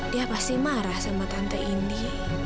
dia pasti marah sama tante ini